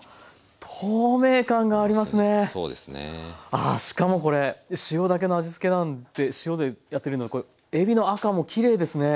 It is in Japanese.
ああしかもこれ塩だけの味付けなんで塩でやってるのこれえびの赤もきれいですね。